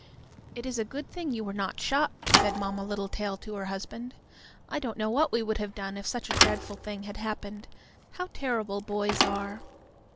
"It is a good thing you were not shot," said Mamma Littletail to her husband. "I don't know what we would have done if such a dreadful thing had happened. How terrible boys are!"